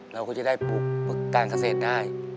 เราก็จะได้ปลูกการเกษตรได้